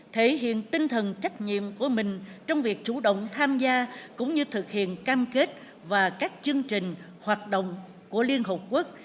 thể hiện tinh thần trách nhiệm của mình trong việc chủ động tham gia cũng như thực hiện cam kết và các chương trình hoạt động của liên hợp quốc